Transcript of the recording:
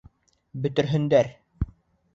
Бөтөрһөндәр!